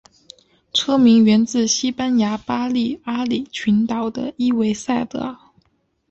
车名源自西班牙巴利阿里群岛的伊维萨岛。